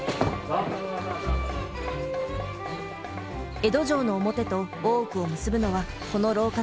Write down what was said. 江戸城の表と大奥を結ぶのはこの廊下のみ。